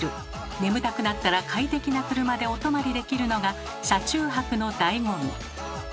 眠たくなったら快適な車でお泊まりできるのが車中泊のだいご味。